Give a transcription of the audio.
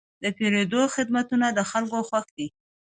د پیرود خدمتونه د خلکو خوښ دي.